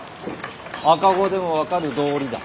赤子でも分かる道理だ。